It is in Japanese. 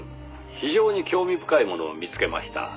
非常に興味深いものを見つけました」